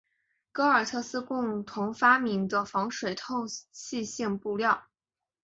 戈尔特斯共同发明的防水透气性布料。